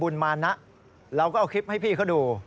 เราก็เอาคลิปให้พี่เข้าดู